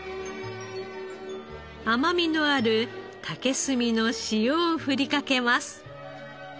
甘みのある竹炭の塩を振りかけます。